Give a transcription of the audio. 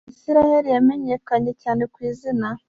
Isiraheli yamenyekanye cyane ku izina